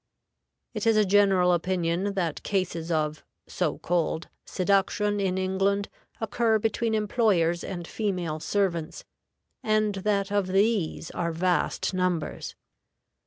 It is a general opinion that cases of (so called) seduction in England occur between employers and female servants, and that of these are vast numbers.